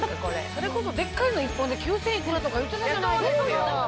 それこそでっかいの１本で９０００いくらとか言ってたじゃないですか。